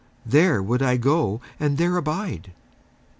There would I go and there abide."